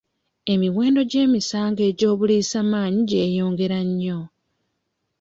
Emiwendo gy'emisango egy'obuliisamaanyi gyeyongera nnyo.